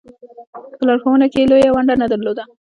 په لارښوونه کې یې لویه ونډه نه درلوده.